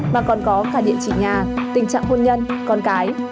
mà còn có cả địa chỉ nhà tình trạng hôn nhân con cái